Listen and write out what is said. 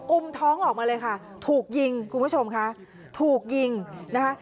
อุ้มท้องออกมาเลยค่ะถูกยิงคุณผู้ชมค่ะถูกยิงนะคะ